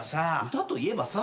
歌といえばさ？